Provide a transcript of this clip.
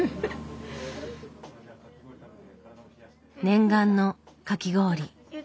念願のかき氷。